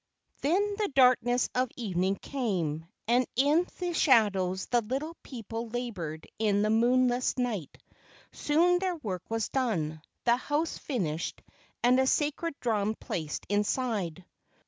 Then the darkness of evening came, and in the shadows the little people labored in the moonless night. Soon their work was done, the house finished, and a sacred drum placed inside.